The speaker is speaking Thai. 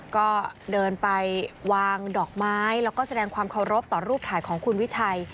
ก็เดินไปวางดอกไม้แล้วก็แสดงความเคารพต่อรูปถ่ายของคุณวิชัย